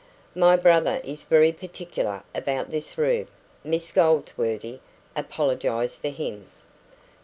"My brother is very particular about this room," Miss Goldsworthy apologised for him.